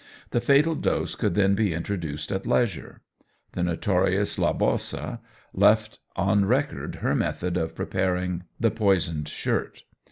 The fatal dose could then be introduced at leisure. The notorious La Bosse left on record her method of preparing the "poisoned shirt."